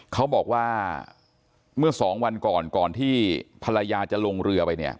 เขาบอกว่าเมื่อสองวันก่อนก่อนที่ภรรยาจะลงเรือไปเนี่ย